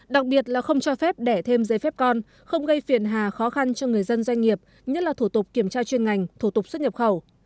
đặc biệt là không cho phép đẻ thêm dây phép con không gây phiền hà khó khăn cho người dân doanh nghiệp nhất là thủ tục kiểm tra chuyên ngành thủ tục xuất nhập khẩu